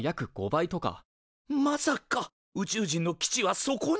まさか宇宙人の基地はそこに？